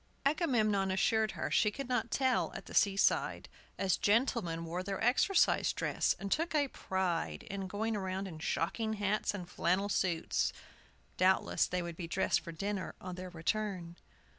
Agamemnon assured her she could not tell at the seaside, as gentlemen wore their exercise dress, and took a pride in going around in shocking hats and flannel suits. Doubtless they would be dressed for dinner on their return.